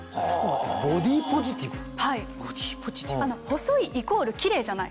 細いイコールキレイじゃない。